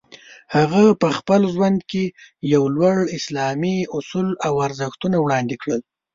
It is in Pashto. هغه په خپل ژوند کې یو لوړ اسلامي اصول او ارزښتونه وړاندې کړل.